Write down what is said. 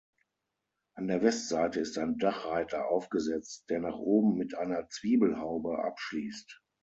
An der Westseite ist ein Dachreiter aufgesetzt, der nach oben mit einer Zwiebelhaube abschließt.